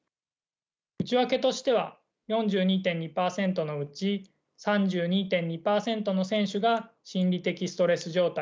内訳としては４２．２％のうち３２．２％の選手が心理的ストレス状態。